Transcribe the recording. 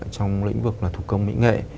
trong lĩnh vực là thủ công mỹ nghệ